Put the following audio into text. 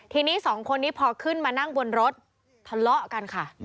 ทีนี้สองคนนี้พอขึ้นมานั่งบนรถทะเลาะกันค่ะ